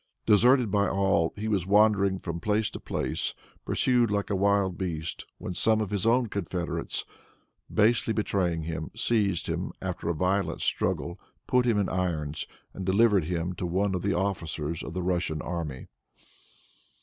Deserted by all, he was wandering from place to place, pursued like a wild beast, when some of his own confederates, basely betraying him, seized him, after a violent struggle, put him in irons, and delivered him to one of the officers of the Russian army.